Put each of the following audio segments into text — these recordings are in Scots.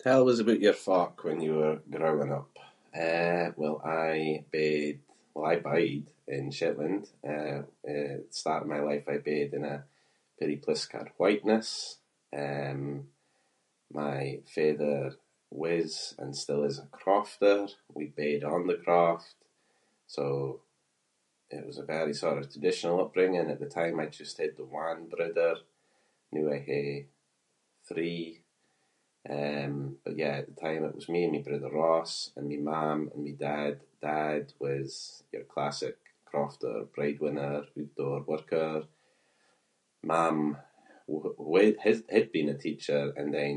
Tell us aboot your folk when you were growing up. Eh, well I bed- well I bide in Shetland. Eh, at the start of my life I bed in a peerie place ca’d Whiteness. Um, my father was and still is a crofter. We bed on the croft, so it was a very sort of traditional upbringing. At the time I just had the one brother. Noo I hae three. Um, but yeah at the time it was me and my brother Ross and my mam and my dad. Dad was your classic crofter breadwinner, ootdoor worker. Mam w- w- h- had been a teacher and then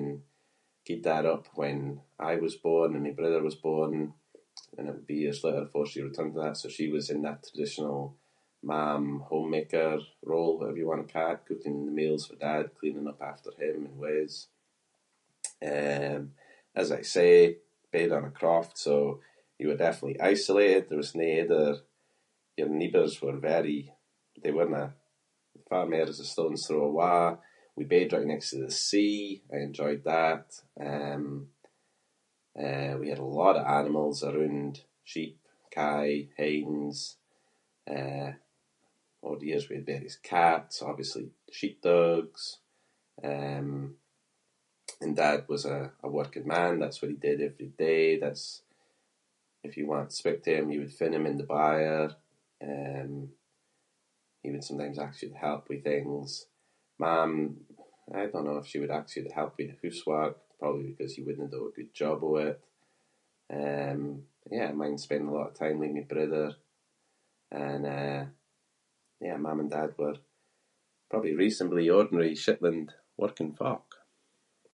gaed that up when I was born and my brother was born and it would be a [inc] that so she was in that traditional mam homemaker role, whatever you want to ca’ it- cooking the meals for dad, cleaning up after him in wis. Um, as I say, bed on a croft so you were definitely isolated. There was no other- your neighbours were very- they werenae - the farm there was a stone’s throw awa’. We bed right next to the sea. I enjoyed that. Um, eh, we had a lot of animals aroond- sheep, kye, hens. Eh, over the years we had various cats, obviously sheep dogs. Um, and dad was a- a working man. That’s what he did every day. That's- if you want to speak to him you'd find him in the byre. Um, he would sometimes ask you to help with things. Mam- I don’t know of she would ask you to help with the hoosework- probably because you wouldnae do a good job of it. Um, but yeah, I mind spending a lot of time with my brother and, eh, yeah, mam and dad were probably reasonably ordinary Shetland working folk.